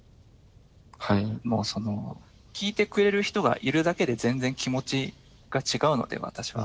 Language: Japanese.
もう聞いてくれる人がいるだけで全然気持ちが違うので私は。